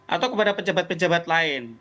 atau kepada pejabat pejabat lain